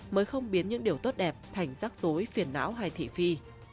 mới không biến những điều tốt đẹp thành rắc rối phiền não hay thị phi